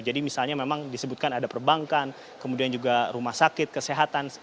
jadi misalnya memang disebutkan ada perbankan kemudian juga rumah sakit kesehatan